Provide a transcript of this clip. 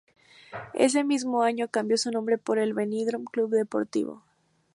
Ese mismo año cambió su nombre por el de Benidorm Club Deportivo.